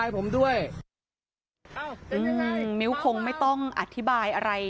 ผมเม้าใช่